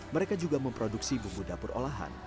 mereka juga memproduksi bumbu dapur olahan